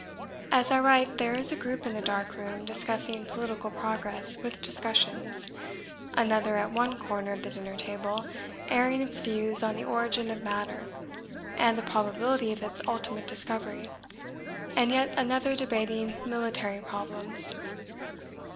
As I write there is a group in the dark room discussing political progress with discussions another at one corner of the dinner table airing its views on the origin of matter and the probability of its ultimate discovery, and yet another debating military problems.